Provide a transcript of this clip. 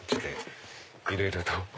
いろいろと。